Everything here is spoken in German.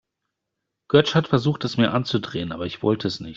Götsch hat versucht, es mir anzudrehen, aber ich wollte es nicht.